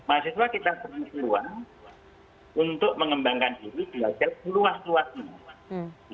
maksudnya kita punya keseluruhan untuk mengembangkan diri belajar luas luas ini